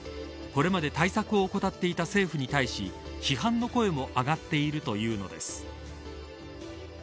これまで対策を怠っていた政府に対し批判の声も上がっているというのです。